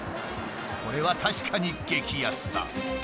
これは確かに激安だ。